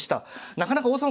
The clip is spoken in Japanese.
なかなか王様